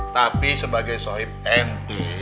tapi sebagai soib n i